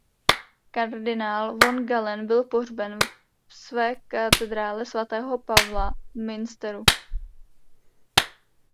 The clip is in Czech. Kardinál von Galen byl pohřben v své Katedrále svatého Pavla v Münsteru.